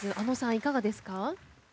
いかがですか？